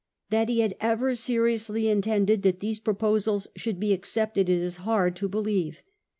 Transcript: That he had ever seriously intended that these proposals should be accepted it is hard to believe.